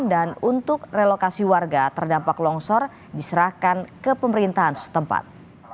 dan untuk relokasi warga terdampak longsor diserahkan ke pemerintahan setempat